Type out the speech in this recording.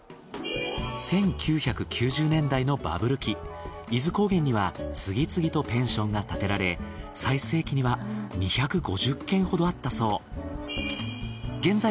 １９９０年代のバブル期伊豆高原には次々とペンションが建てられ最盛期には２５０軒ほどあったそう。